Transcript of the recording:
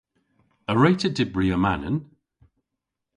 A wre'ta dybri amanen?